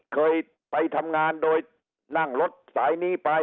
เคยไปทำงานโดยนั่งรถสายนี้ไป